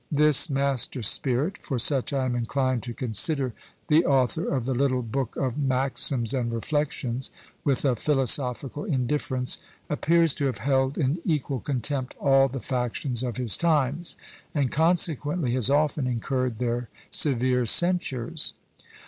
This master spirit, for such I am inclined to consider the author of the little book of "Maxims and Reflections," with a philosophical indifference, appears to have held in equal contempt all the factions of his times, and consequently has often incurred their severe censures.